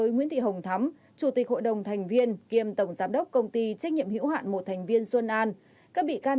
nguyễn văn thảo phó giám đốc công ty trách nhiệm hiệu hạn một thành viên xuân an